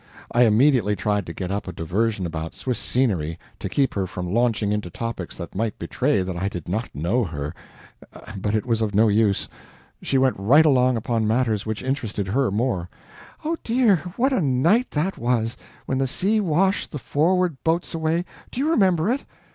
I immediately tried to get up a diversion about Swiss scenery, to keep her from launching into topics that might betray that I did not know her, but it was of no use, she went right along upon matters which interested her more: "Oh dear, what a night that was, when the sea washed the forward boats away do you remember it?"